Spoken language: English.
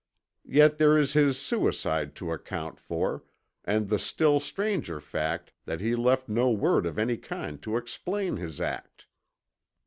Yet there is his suicide to account for, and the still stranger fact that he left no word of any kind to explain his act."